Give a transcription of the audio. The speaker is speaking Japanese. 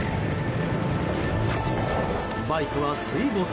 バイクは水没。